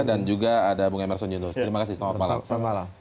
dan juga ada bung emerson yunus terima kasih selamat malam